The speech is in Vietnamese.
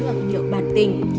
hoặc nhiều bạn tình